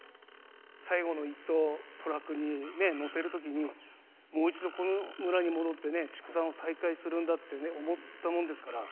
最後の１頭をトラックに乗せるときに、もう一度この村に戻って畜産を再開するんだってね、思ったもんですから。